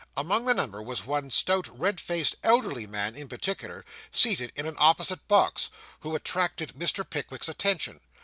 Among the number was one stout, red faced, elderly man, in particular, seated in an opposite box, who attracted Mr. Pickwick's attention.